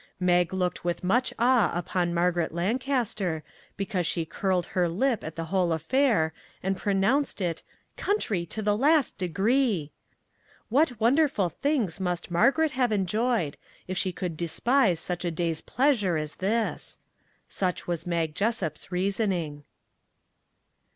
Mag looked with much awe upon Margaret Lancaster because she curled her lip 197 MAG AND MARGARET at the whole affair, and pronounced it " country to the last degree !" What wonderful things must Margaret have enjoyed if she could de spise such a day's pleasure as this ! Such was Mag Jessup's reasoning.